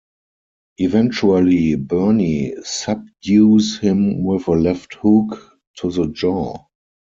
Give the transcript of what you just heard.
Eventually Bernie subdues him with a left hook to the jaw.